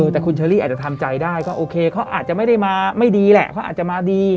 แต่คุณเชอรี่อาจจะทำใจได้ก็โอเคเขาอาจจะไม่ได้มาไม่ดีแหละเขาอาจจะมาดี